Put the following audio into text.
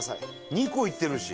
２個いってるし。